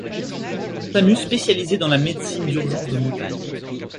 C'est un Samu spécialisé dans la médecine d'urgence de montagne.